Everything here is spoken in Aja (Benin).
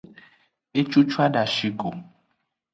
Ecucu adashi go.